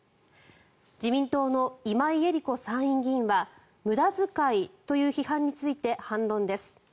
自民党の今井絵理子参院議員は無駄遣いという批判について反論です。